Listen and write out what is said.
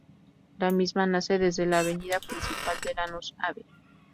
La misma nace desde la avenida principal de Lanús, Av.